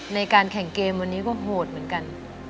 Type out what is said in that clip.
ในการแข่งเกมวันนี้ก็โหดเหมือนกัน